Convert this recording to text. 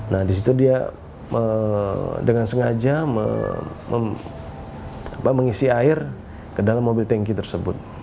nah disitu dia dengan sengaja mengisi air ke dalam mobil tanki tersebut